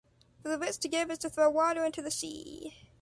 For the rich to give is to throw water into the sea.